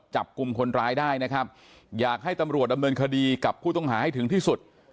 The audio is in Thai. จับกลุ่มคนร้ายได้นะครับอยากให้ตำรวจดำเนินคดีกับผู้ต้องหาให้ถึงที่สุด